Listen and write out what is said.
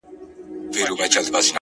ستا سترگو کي دا لرم گراني څومره ښه يې ته